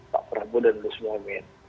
pak prabowo dan gus muhaymin